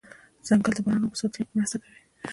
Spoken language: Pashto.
ځنګل د باران اوبو ساتلو کې مرسته کوي